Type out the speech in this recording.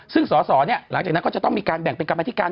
ซึ่งสอสอหลังจากนั้นก็จะต้องมีการแบ่งเป็นกรรมธิการ